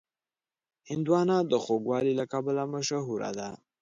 هندوانه د خوږوالي له کبله مشهوره ده.